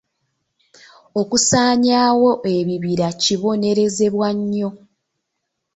Okusaanyaawo ebibira kibonerezebwa nnyo.